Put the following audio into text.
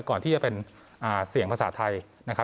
ก่อนที่จะเป็นเสียงภาษาไทยนะครับ